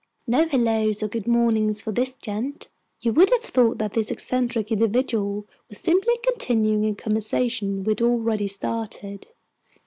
No hellos or good mornings for this gent! You would have thought this eccentric individual was simply continuing a conversation we'd already started!